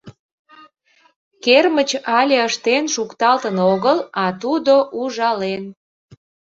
Кермыч але ыштен шукталтын огыл, а тудо ужален!